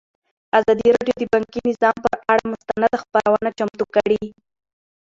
ازادي راډیو د بانکي نظام پر اړه مستند خپرونه چمتو کړې.